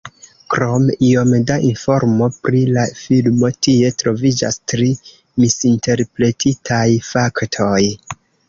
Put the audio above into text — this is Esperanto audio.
Krom iom da informo pri la filmo, tie troviĝas tri misinterpretitaj faktoj.